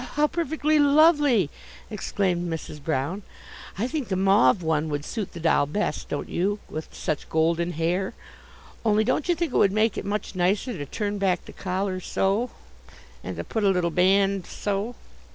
"Oh, how perfectly lovely!" exclaimed Mrs. Brown. "I think the mauve one would suit the doll best, don't you, with such golden hair? Only don't you think it would make it much nicer to turn back the collar, so, and to put a little band so?"